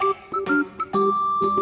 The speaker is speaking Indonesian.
saya juga ngantuk